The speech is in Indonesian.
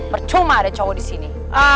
percuma ada cowok di sini